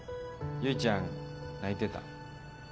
結ちゃん泣いてた。